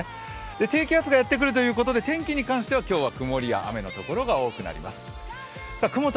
低気圧がやってくるということで今日は天気に関しては曇りや雨の所が多くなっています。